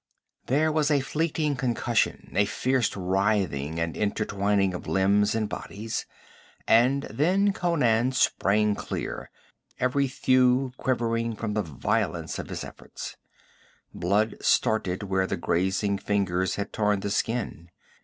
There was a fleeting concussion, a fierce writhing and intertwining of limbs and bodies, and then Conan sprang clear, every thew quivering from the violence of his efforts; blood started where the grazing fingers had torn the skin.